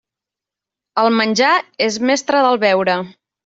El menjar és mestre del beure.